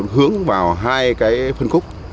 hướng vào hai phân khúc